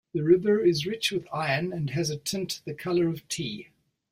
The river is rich with iron and has a tint the color of tea.